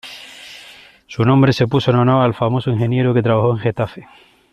Su nombre se puso en honor al famoso ingeniero que trabajó en Getafe.